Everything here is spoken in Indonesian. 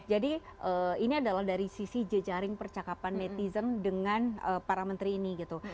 jadi ini adalah dari sisi jejaring percakapan netizen dengan para menteri ini gitu